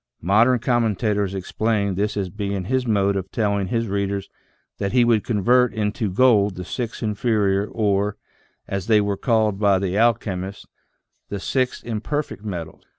Modern commentators explain this as being his mode of telling his readers that he would convert into gold the six inferior or, as they were called by the alchem ists, the six imperfect metals.